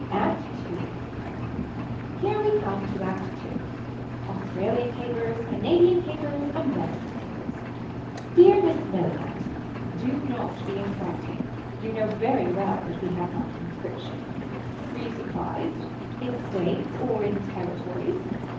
Act 2. Here we come to act two. Australian papers. Canadian papers. American papers. Dear Miss Millicant. Do not be insulting. You know very well that we have not conscription. Were you surprised. In states. Or in territories.